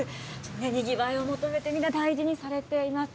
にぎわいを求めて、みんな大事にされています。